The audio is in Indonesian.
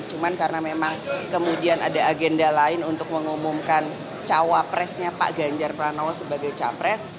cuma karena memang kemudian ada agenda lain untuk mengumumkan cawapresnya pak ganjar pranowo sebagai capres